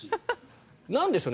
なんでしょうね